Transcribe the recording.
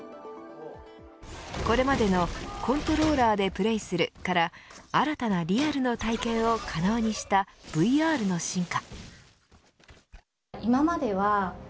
これまでのコントローラーでプレイするから新たなリアルの体験を可能にしたＶＲの進化。